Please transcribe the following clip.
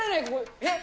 えっ？